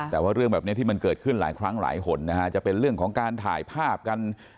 แต่ว่าเรื่องแบบนี้ที่มันเกิดขึ้นหลายครั้งหลายหนนะฮะจะเป็นเรื่องของการถ่ายภาพกัน